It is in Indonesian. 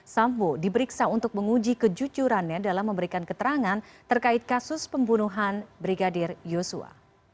sambo diperiksa untuk menguji kejujurannya dalam memberikan keterangan terkait kasus pembunuhan brigadir yosua